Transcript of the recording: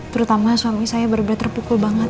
terutama suami saya berbeda terpukul banget